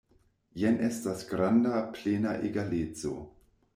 Jen estas granda, plena egaleco.